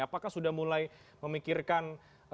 apakah sudah mulai memikirkan